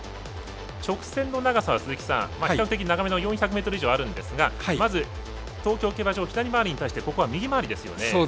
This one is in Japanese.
直線の長さは比較的長めの４００ｍ以上あるんですが東京競馬場左回りに対してここは右回りですよね。